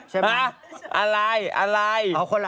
คนละอันแล้วเหรอ